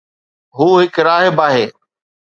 هو هڪ راهب آهي